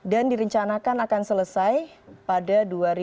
dan direncanakan akan selesai pada dua ribu sembilan belas